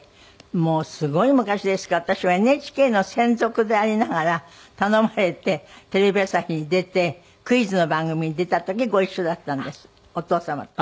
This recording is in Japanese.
もうすごい昔ですが私はＮＨＫの専属でありながら頼まれてテレビ朝日に出てクイズの番組に出た時ご一緒だったんですお父様と。